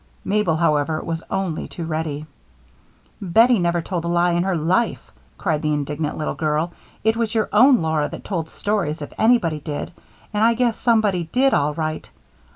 Mabel, however, was only too ready. "Bettie never told a lie in her life," cried the indignant little girl. "It was your own Laura that told stories if anybody did and I guess somebody did, all right.